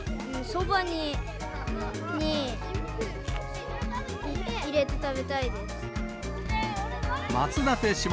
そばに入れて食べたいです。